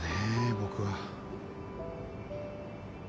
僕は。